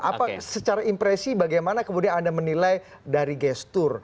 apa secara impresi bagaimana kemudian anda menilai dari gestur